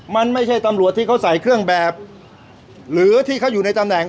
มันไม่ใช่ตำรวจที่เขาใส่เครื่องแบบหรือที่เขาอยู่ในตำแหน่ง